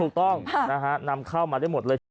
ถูกต้องนะฮะนำเข้ามาได้หมดเลย